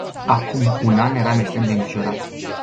Acum un an eram extrem de îngrijorat.